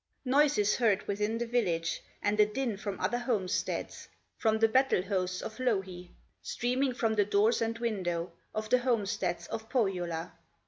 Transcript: Noise is heard within the village, And a din from other homesteads, From the battle hosts of Louhi, Streaming from the doors and window, Of the homesteads of Pohyola.